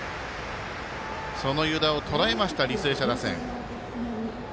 その湯田をとらえました履正社打線。